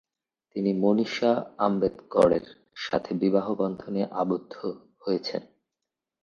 তিনি মনীষা আম্বেদকরের সাথে বিবাহবন্ধনে আবদ্ধ হয়েছেন।